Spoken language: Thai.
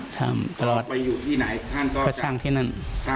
ถ้ามันไปอยู่ที่ไหนท่านก็จะสร้างที่นั่น